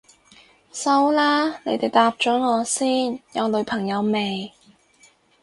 收啦，你哋答咗我先，有女朋友未？